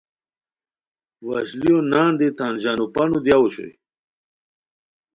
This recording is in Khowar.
وشلیو نان دی تان ژانو پانو دیاؤ اوشوئے